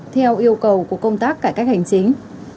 theo yêu cầu của công tác cải cách hành chính